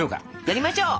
やりましょう！